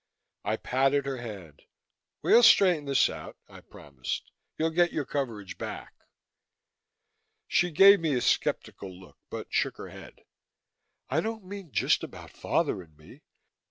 I patted her hand. "We'll straighten this out," I promised. "You'll get your coverage back." She gave me a skeptical look, but shook her head. "I don't mean just about father and me.